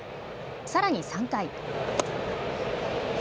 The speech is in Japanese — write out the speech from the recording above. さらに３回。